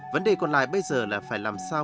vấn đề còn lại bây giờ là phải làm sao